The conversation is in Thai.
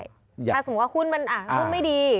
ถ้าสมมุติว่าหุ้นมันหุ้นไม่ดี